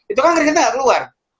itu kan keringetan gak keluar